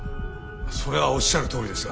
それはおっしゃるとおりですが。